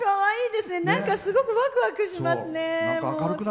すごくワクワクしますね。